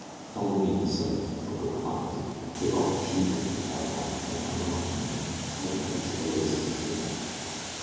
"Follow me," he said, "but go quietly. Take off your shoes if you have 'em on, and hang 'em around your neck tie the ends of the laces together."